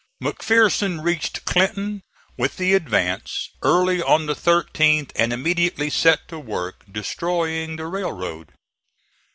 McPherson reached Clinton with the advance early on the 13th and immediately set to work destroying the railroad.